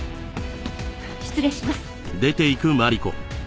失礼します。